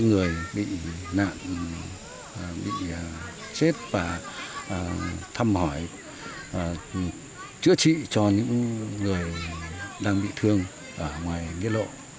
ba người bị nạn bị chết và thăm hỏi chữa trị cho những người đang bị thương ở ngoài nghĩa lộ